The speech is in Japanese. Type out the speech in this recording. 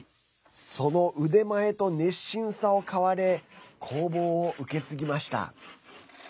その腕前と熱心さを買われ工房を受け継ぎました。